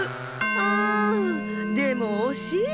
あんでもおしい。